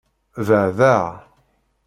Beɛdeɣ.